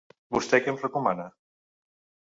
Vostè què em recomana?